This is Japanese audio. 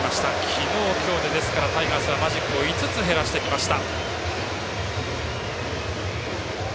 昨日、今日でタイガースはマジックを５つ減らしてきました。